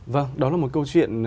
vâng đó là một câu chuyện